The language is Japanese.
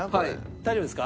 大丈夫ですか？